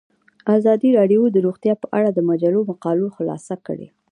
ازادي راډیو د روغتیا په اړه د مجلو مقالو خلاصه کړې.